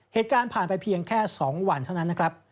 เหตุการณ์ผ่านไปเพียงแค่๒วันเท่านั้นนะครับ